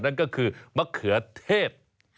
นั่นก็คือมะเขือเทศ